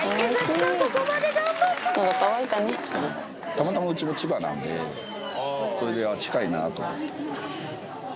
たまたまうちが千葉なんでそれで近いなと思って。